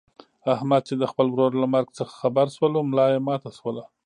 احمد چې د خپل ورور له مرګ څخه خبر شولو ملایې ماته شوله.